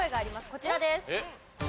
こちらです。